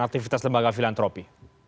aktivitas lembaga filantropi